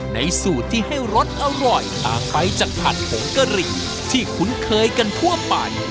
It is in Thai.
ในสูตรที่ให้รสอร่อยต่างไปจากผัดผงกะหรี่ที่คุ้นเคยกันทั่วไป